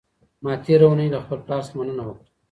ما تېره اونۍ له خپل پلار څخه مننه وکړه.